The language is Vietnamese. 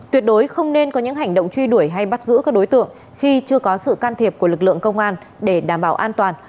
tuyệt đối không nên có những hành động truy đuổi hay bắt giữ các đối tượng khi chưa có sự can thiệp của lực lượng công an để đảm bảo an toàn